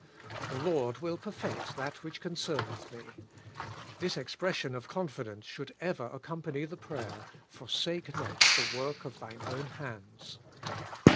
*The Lord will perfect that which concerneth me;' — this expression of confidence should ever accompany the prayer, *Forsake not the work of Thine own hands.'